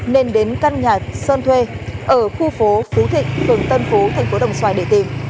nên đến căn nhà sơn thuê ở khu phố phú thịnh phường tân phú thành phố đồng xoài để tìm